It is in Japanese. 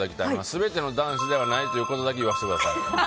全ての男子ではないということだけ言わせてください。